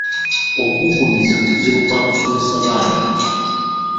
Okuggumiza kuzibu kwa kusomsesa baana.